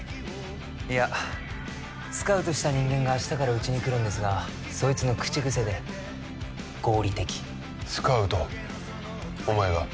いやスカウトした人間が明日からうちに来るんですがそいつの口癖で合理的スカウトお前が？